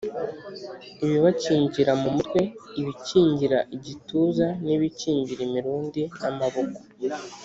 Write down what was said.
ibibakingira mu mutwe, ibikingira igituza n’ibikingira imirundi n’amaboko.